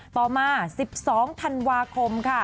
ต่อมา๑๒ธันวาคมค่ะ